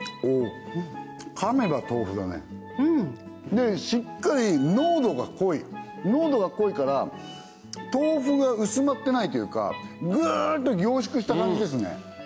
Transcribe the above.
おかめば豆腐だねでしっかり濃度が濃い濃度が濃いから豆腐が薄まってないというかギューっと凝縮した感じですね